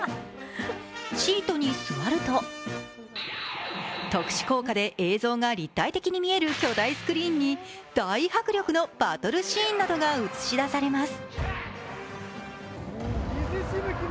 シートに座ると特殊効果で映像が立体的に見える巨大スクリーンに大迫力のバトルシーンなどが映し出されます。